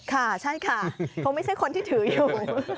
ค่ะใช่ค่ะคงไม่ใช่คนที่ถืออยู่